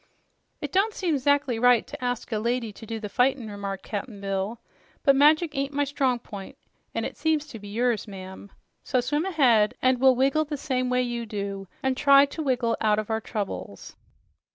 "It don't seem 'zactly right to ask a lady to do the fightin'," remarked Cap'n Bill, "but magic ain't my strong p'int, and it seems to be yours, ma'am. So swim ahead, and we'll wiggle the same way you do, an' try to wiggle out of our troubles."